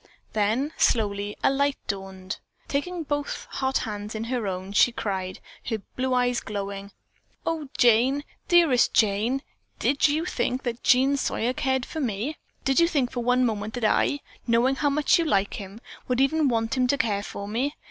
Then, slowly a light dawned. Taking both hot hands in her own, she cried, her blue eyes glowing, "Oh, Jane, dearest Jane, did you think that Jean Sawyer cared for me? Did you think for one moment that I, knowing how much you liked him, would even want him to care for me?